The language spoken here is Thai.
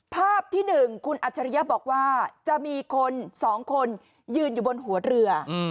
ภาพที่๑คุณอัจฉริยะบอกว่าจะมีคน๒คนยืนอยู่บนหัวเรือ